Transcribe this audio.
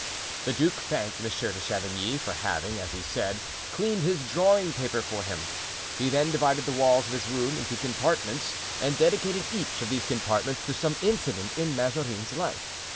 The duke thanked Monsieur de Chavigny for having, as he said, cleaned his drawing paper for him; he then divided the walls of his room into compartments and dedicated each of these compartments to some incident in Mazarin's life.